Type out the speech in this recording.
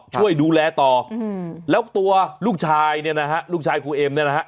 ช่วยดูแลต่อแล้วตัวลูกชายเนี่ยนะฮะลูกชายครูเอ็มเนี่ยนะฮะ